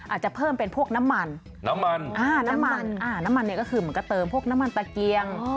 อาจจะเพิ่มเป็นพวกน้ำมันน้ำมันอ่าน้ำมันน้ำมันเนี่ยก็คือเหมือนก็เติมพวกน้ำมันตะเกียง